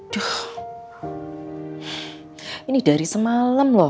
duh ini dari semalam loh